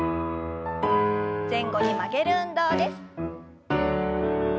前後に曲げる運動です。